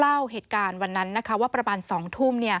เล่าเหตุการณ์วันนั้นว่าประมาณ๒ทุ่ม